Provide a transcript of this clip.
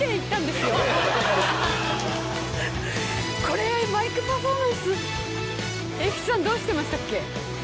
これマイクパフォーマンス永吉さんどうしてましたっけ？